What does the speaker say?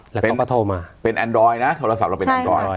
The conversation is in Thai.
แล้วก็ก็โทรมาเป็นแอนดรอยด์นะโทรศัพท์เราเป็นแอนดรอยด์ใช่ค่ะ